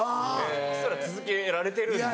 そしたら続けられてるんで。